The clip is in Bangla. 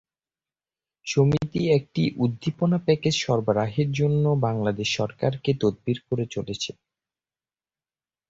সমিতি একটি উদ্দীপনা প্যাকেজ সরবরাহের জন্য বাংলাদেশ সরকারকে তদবির করে চলেছে।